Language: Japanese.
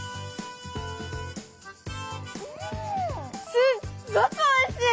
すっごくおいしい！